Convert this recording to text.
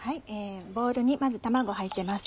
ボウルにまず卵入ってます。